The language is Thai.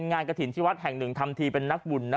กระถิ่นที่วัดแห่งหนึ่งทำทีเป็นนักบุญนะ